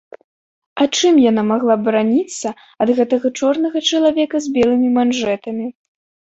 А чым яна магла бараніцца ад гэтага чорнага чалавека з белымі манжэтамі?